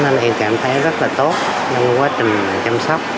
nên em cảm thấy rất là tốt trong quá trình chăm sóc